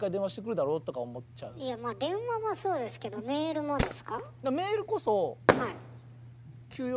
電話はそうですけどメールもですか？